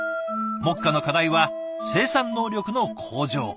目下の課題は生産能力の向上。